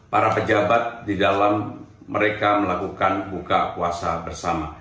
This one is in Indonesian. para pejabat di dalam mereka melakukan buka puasa bersama